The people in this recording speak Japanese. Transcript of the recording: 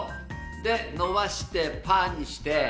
で伸ばしてパーにして。